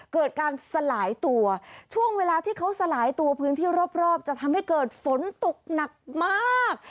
เกิดการสลายตัวช่วงเวลาที่เขาสลายตัวพื้นที่รอบจะทำให้เกิดฝนตกหนักมาก